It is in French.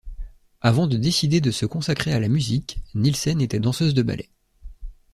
Avant de décider de se consacrer à la musique, Nilsen était danseuse de ballet.